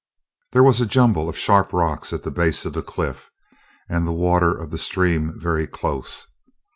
There was a jumble of sharp rocks at the base of the cliff, and the water of the stream very close.